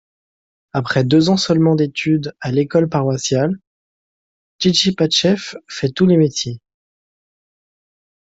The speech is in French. Après deux ans seulement d'études à l'école paroissiale, Chtchipatchev fait tous les métiers.